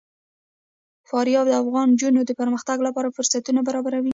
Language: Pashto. فاریاب د افغان نجونو د پرمختګ لپاره فرصتونه برابروي.